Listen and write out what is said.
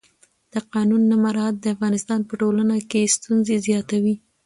د قانون نه مراعت د افغانستان په ټولنه کې ستونزې زیاتوي